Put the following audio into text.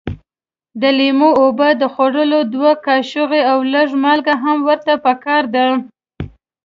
د لیمو اوبه د خوړو دوه کاشوغې او لږ مالګه هم ورته پکار ده.